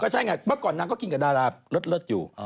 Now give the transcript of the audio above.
ใช่ไงเมื่อก่อนนางก็กินกับดาราเลิศอยู่